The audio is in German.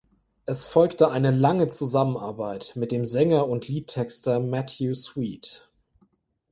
Es folgte eine lange Zusammenarbeit mit dem Sänger und Liedtexter Matthew Sweet.